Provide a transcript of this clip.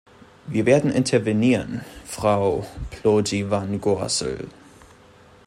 Wir werden intervenieren, Frau Plooij-van Gorsel.